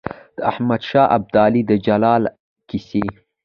د احمد شاه ابدالي د جلال کیسې.